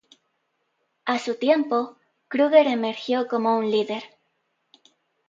A su tiempo, Kruger emergió como un líder.